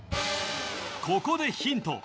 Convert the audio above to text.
ここでヒント